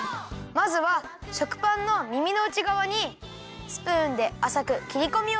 まずは食パンのみみのうちがわにスプーンであさくきりこみをいれるよ！